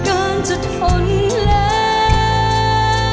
การจะทนแล้ว